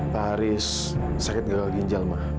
pak haris sakit gagal ginjal mak